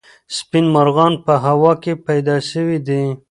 سپین مرغان په هوا کې پیدا سوي دي.